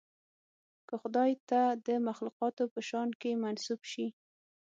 که خدای ته د مخلوقاتو په شأن کې منسوب شي.